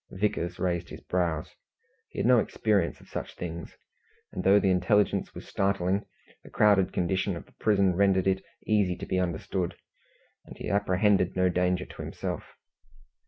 Vickers raised his brows. He had no experience of such things; and though the intelligence was startling, the crowded condition of the prison rendered it easy to be understood, and he apprehended no danger to himself.